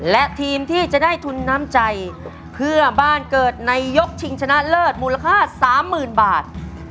และทีมที่จะได้ทุนน้ำใจเพื่อบ้านเกิดในยกชิงชนะเลิศมูลค่า๓๐๐๐บาท